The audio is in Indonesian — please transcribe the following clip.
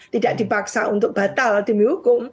tidak dipaksa untuk batal demi hukum